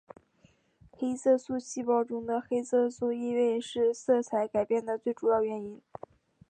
黑色素细胞中的黑色素易位是色彩改变的最主要原因。